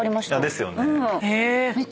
ですよね。